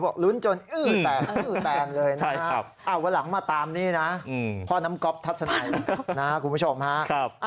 วันหลังมาตามก็น้ำก๊อบถัดสนายคุณผู้ชมฮะ